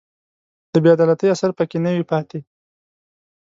د بې عدالتۍ اثر په کې نه وي پاتې